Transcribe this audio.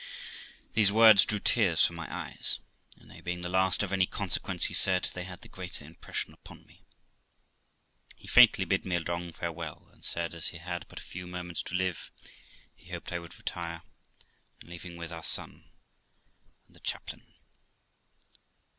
These words drew tears from my eyes, and they being the last of any consequence he said, they had the greater impression upon me. He faintly bid me a long farewell, and said, as he had but a few moments to live, he hoped I would retire, and leave him with our son and the chaplain.